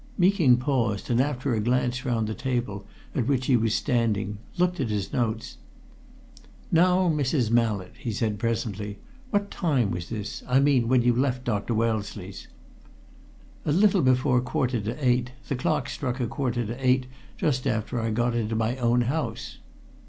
Meeking paused, and after a glance round the table at which he was standing looked at his notes. "Now, Mrs. Mallett," he said presently, "what time was this I mean, when you left Dr. Wellesley's?" "A little before a quarter to eight. The clock struck a quarter to eight just after I got into my own house."